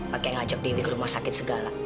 pake ngajak dewi ke rumah sakit segala